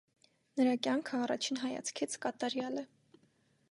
Նրա կյանքը, առաջին հայացքից, կատարյալ է։